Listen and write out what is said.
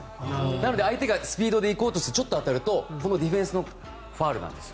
なので相手がスピードで行こうとしてちょっと当たるとこのディフェンスのファウルなんです。